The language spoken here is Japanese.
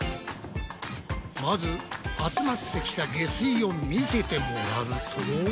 まず集まってきた下水を見せてもらうと。